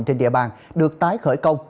trên địa bàn được tái khởi công